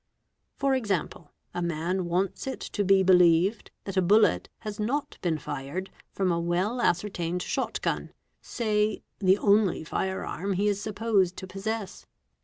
For example, a man wants it to be believed that a bullet has not been fired from a well ascertained shot gun, say, the only fire arm he is supposed to possess.